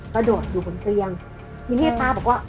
กระโดดอยู่บนเตียงเห็นไอ้ปลาบอกว่า